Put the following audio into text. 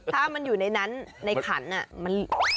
ถ้ามันอยู่ในนั้นในขันมัน